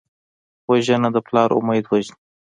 وژنه د پلار امید وژني